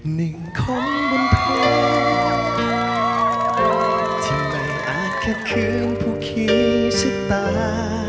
หนึ่งคนบนเพลิงที่ไม่อาจแค่เครื่องผู้ขี้ชะตา